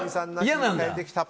嫌なんだ。